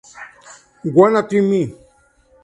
Wanna try me?